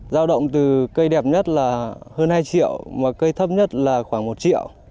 giao động từ cây đẹp nhất là hơn hai triệu mà cây thấp nhất là khoảng một triệu